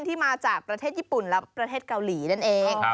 ที่มาจากประเทศญี่ปุ่นและประเทศเกาหลีนั่นเอง